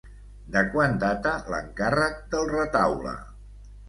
De quan data l'encàrrec del retaule?